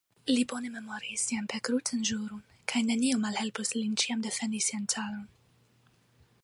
Li bone memoris sian perkrucan ĵuron, kaj nenio malhelpos lin ĉiam defendi sian caron.